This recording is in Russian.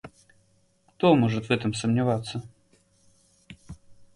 Кто может в этом сомневаться?